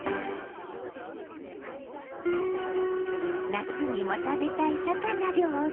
夏にも食べたい魚料理。